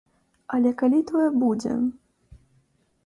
Але калі тое будзе?